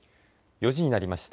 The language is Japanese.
４時になりました。